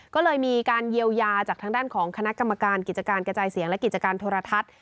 ก็เลยมีการเยียวยาจากทางด้านของคณะกรรมการกิจการกระจายเสียงและกิจการโทรทัศน์